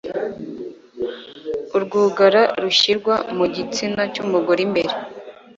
urwugara rushyirwa mu gitsina cy'umugore imbere